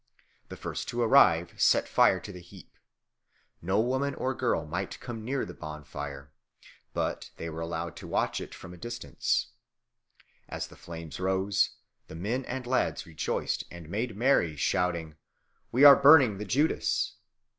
The first to arrive set fire to the heap. No woman or girl might come near the bonfire, but they were allowed to watch it from a distance. As the flames rose the men and lads rejoiced and made merry, shouting, "We are burning the Judas!"